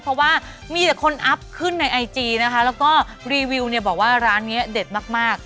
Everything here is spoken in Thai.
เพราะว่ามีแต่คนอัพขึ้นในไอจีนะคะแล้วก็รีวิวเนี่ยบอกว่าร้านนี้เด็ดมาก